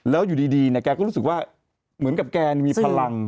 แล้วอยู่ดีเนี่ยแกก็รู้สึกว่าเหมือนกับแกมีพลัง